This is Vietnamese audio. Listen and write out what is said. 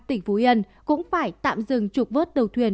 tỉnh phú yên cũng phải tạm dừng trục vớt tàu thuyền